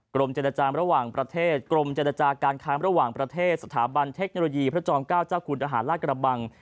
กรมเจนจาการค้างระหว่างประเทศสถาบันเทคโนโลยีพระจอม๙จ้าคุณอาหารลาดกระบัง